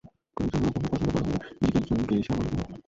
কয়েকজন লোক ওকে পছন্দ করে বলে নিজেকে একজন গেইশা মনে করে!